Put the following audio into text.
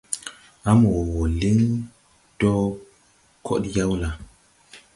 À mo wɔɔ wɔ liŋ dɔɔ kɔɗyaw la?